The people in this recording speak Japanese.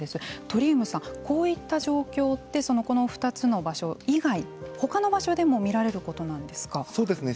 鳥海さん、こういった状況ってこの２つ場所以外ほかの場所でも見られることなんですか。